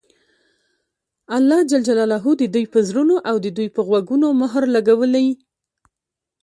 الله د دوى پر زړونو او د دوى په غوږونو مهر لګولى